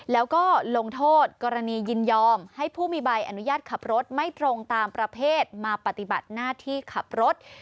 แล้วก็ลงโทษกรณียินยอมให้ผู้มีใบอนุญาตขับรถไม่ตรงตามประเภทมาปฏิบัติหน้าที่ขับรถ